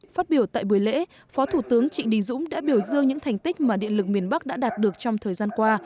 phát biểu tại buổi lễ phó thủ tướng trịnh đình dũng đã biểu dương những thành tích mà điện lực miền bắc đã đạt được trong thời gian qua